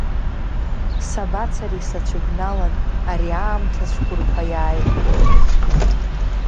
Сабацари сацәыбналан ари аамҭа цәқәырԥа иааиуа…